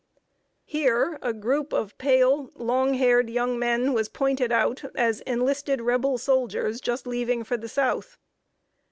Here, a group of pale, long haired young men was pointed out as enlisted Rebel soldiers, just leaving for the South.